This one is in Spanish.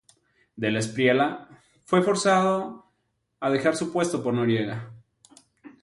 De la Espriella fue forzado a dejar su puesto por Noriega.